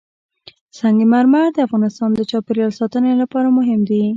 سنگ مرمر د افغانستان د چاپیریال ساتنې لپاره مهم دي.